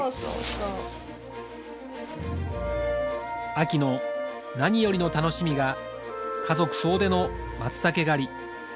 秋の何よりの楽しみが家族総出のマツタケ狩り。